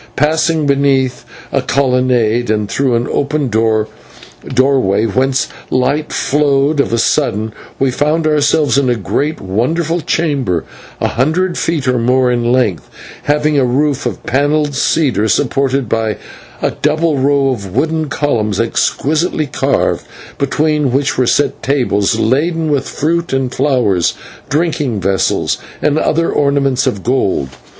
Passing beneath a colonnade and through an open doorway whence light flowed, of a sudden we found ourselves in a great and wonderful chamber, a hundred feet or more in length, having a roof of panelled cedar, supported by a double row of wooden columns exquisitely carved, between which were set tables laden with fruit and flowers, drinking vessels, and other ornaments of gold.